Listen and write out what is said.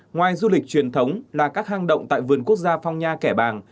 ngoài du lịch truyền thống là các hang động tại vườn quốc gia phong nha kẻ bàng